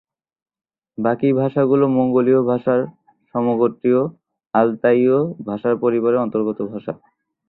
বাকী ভাষাগুলি মঙ্গোলীয় ভাষার সমগোত্রীয়, আলতায়ীয় ভাষাপরিবারের অন্তর্গত ভাষা।